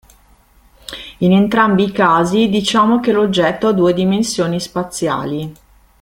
In entrambi i casi, diciamo che l'oggetto ha due dimensioni spaziali.